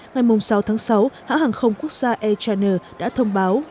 ngày sáu tháng sáu hãng không quốc gia air china đã thông báo